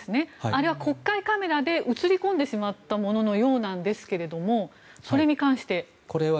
あれは国会カメラで写り込んでしまったもののようですけどもそれに関して。